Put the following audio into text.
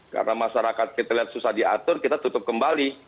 karena masyarakat kita lihat susah diatur kita tutup kembali